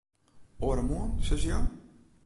Oaremoarn, sizze jo?